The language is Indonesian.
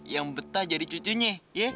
yang betah jadi cucunya